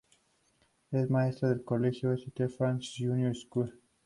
Es maestra en el colegio "St Francis Junior School".